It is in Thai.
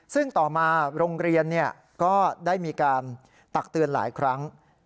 ซึ่งต่อมาโรงเรียนก็ได้มีการตักเตือนหลายครั้ง